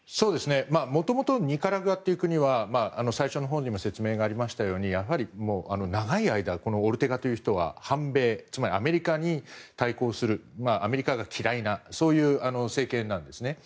もともとニカラグアは最初に説明があったように長い間、オルテガというひとは反米、つまりアメリカに対抗するアメリカが嫌いなそういう政権なんですね。